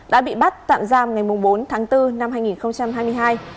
đã bị bắt tạm giam ngày bốn tháng bốn năm hai nghìn hai mươi hai